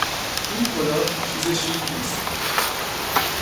این کلاه چیز شیکی است.